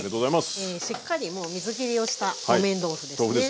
しっかりもう水きりをした木綿豆腐ですね。